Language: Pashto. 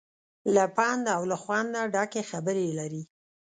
له پند او له خوند نه ډکې خبرې لري.